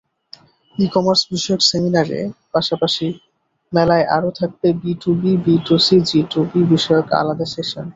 E-commerce বিষয়ক সেমিনারের পাশাপাশি মেলায় আরও থাকবে বিটুবি, বিটুসি, জিটুবি বিষয়ক আলাদা সেশন।